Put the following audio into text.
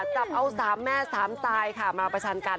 จับเอาสามแม่สามตายค่ะมาประชานกัน